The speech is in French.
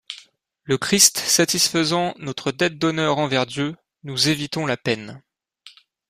Le Christ satisfaisant notre dette d'honneur envers Dieu, nous évitons la peine.